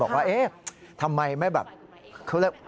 บอกว่าเอ๊ะทำไมไม่แบบ